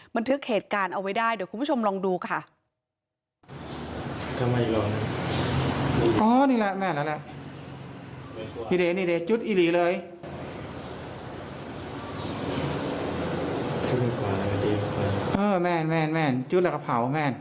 บันทึกเหตุการณ์เอาไว้ได้เดี๋ยวคุณผู้ชมลองดูค่ะ